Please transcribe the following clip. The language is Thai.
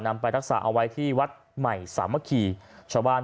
นำไปรักษาเอาไว้ที่วัดไหมสามมะขี่ชาวบ้าน